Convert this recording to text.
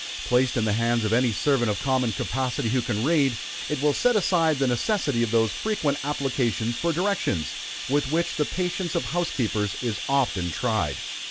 Placed in the hands of any servant of common capacity, who can read, it will set aside the necessity of those frequent applications for directions, with which the patience of housekeepers is often tried.